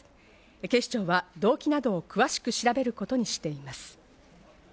警視庁は動機などを詳しく調べることにしています。